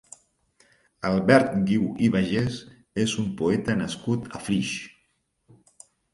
Albert Guiu i Bagés és un poeta nascut a Flix.